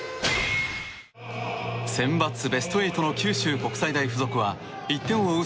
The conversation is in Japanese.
センバツベスト８の九州国際大付属は１点を追う